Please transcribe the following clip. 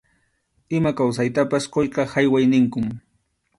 Ima kawsaytapas quyqa hayway ninkum.